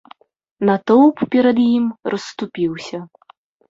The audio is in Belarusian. Натоўп перад ім расступіўся.